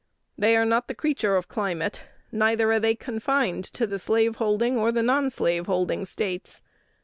They are not the creature of climate; neither are they confined to the slaveholding or non slaveholding States.